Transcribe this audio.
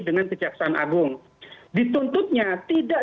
dengan kejaksaan agung dituntutnya tidak